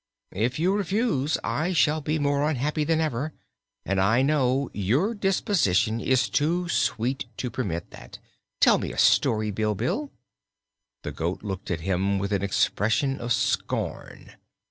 "If you refuse, I shall be more unhappy than ever, and I know your disposition is too sweet to permit that. Tell me a story, Bilbil." The goat looked at him with an expression of scorn.